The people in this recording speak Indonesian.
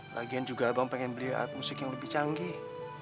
lagian juga abang pengen beli alat musik yang lebih canggih